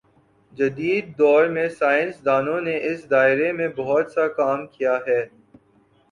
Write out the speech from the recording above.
جدیددور میں سائنس دانوں نے اس دائرے میں بہت سا کام کیا ہے